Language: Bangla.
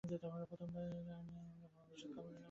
তোমাদের ভবিষ্যৎ শুভাশুভের জন্য আমার মনে যথেষ্ট আশঙ্কা রহিল।